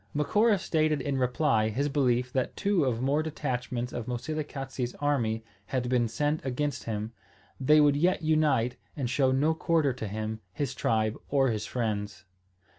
Macora stated in reply his belief that two of more detachments of Moselekatse's army had been sent against him. They would yet unite and show no quarter to him, his tribe, or his friends.